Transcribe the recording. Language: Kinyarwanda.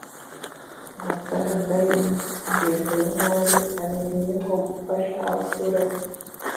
Amafaranga y’ ingengo y’ imari abereyeho gufasha abaturange